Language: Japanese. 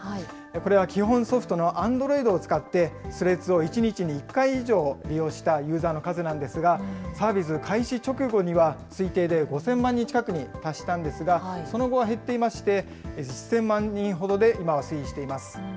これは基本ソフトのアンドロイドを使って、スレッズを１日に１回以上利用したユーザーの数なんですが、サービス開始直後には推定で５０００万人近くに達したんですが、その後は減っていまして、１０００万人ほどで今は推移しています。